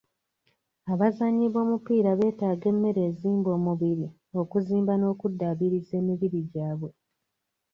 Abazannyi b'omupiira beetaaga emmere ezimba omubiri okuzimba n'okuddaabiriza emibiri gyabwe.